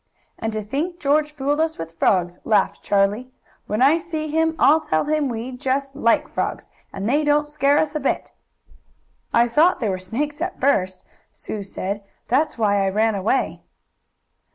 "And to think George fooled us with frogs," laughed Charlie. "When I see him I'll tell him we just like frogs, and they didn't scare us a bit." "I thought they were snakes, at first," Sue said. "That's why I ran away."